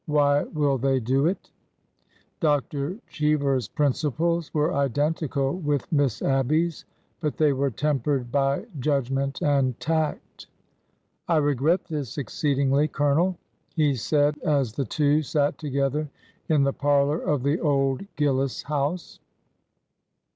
'' Why will they do it 1 '' Dr. Cheever's principles were identical with Miss Ab by 's, but they were tempered by judgment and tact. " I regret this exceedingly. Colonel,'' he said as the two sat together in the parlor of the old Gillis House.